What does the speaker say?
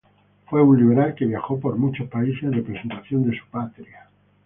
Fue un liberal que viajó por muchos países en representación de su patria.